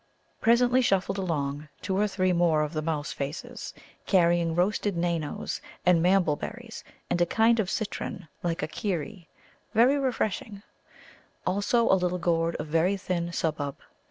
Presently shuffled along two or three more of the Mouse faces carrying roasted Nanoes and Mambel berries, and a kind of citron, like a Keeri, very refreshing; also a little gourd of very thin Subbub.